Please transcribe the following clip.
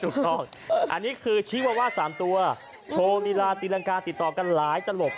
ถูกต้องอันนี้คือชีวาวา๓ตัวโชว์ลีลาตีรังกาติดต่อกันหลายตลบ